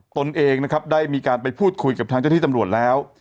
ตนเองนะครับได้มีการไปพูดคุยกับทางเจ้าที่ตำรวจแล้ว